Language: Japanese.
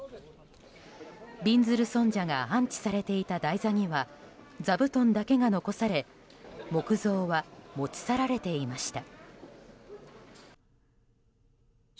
びんずる尊者が安置されていた台座には座布団だけが残され木像は持ちされていました。